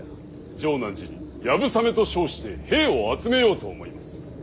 城南寺に流鏑馬と称して兵を集めようと思います。